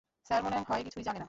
Sir মনে হয় কিছুই জানে না।